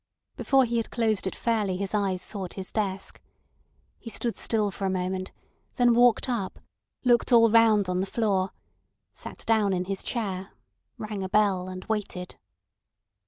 Before he had closed it fairly his eyes sought his desk. He stood still for a moment, then walked up, looked all round on the floor, sat down in his chair, rang a bell, and waited.